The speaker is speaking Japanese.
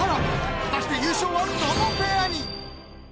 果たして優勝はどのペアに。